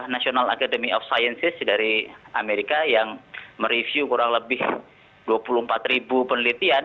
national academy of sciences dari amerika yang mereview kurang lebih dua puluh empat ribu penelitian